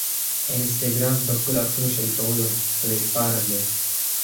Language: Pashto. انسټاګرام د ښکلو عکسونو شریکولو پلیټفارم دی.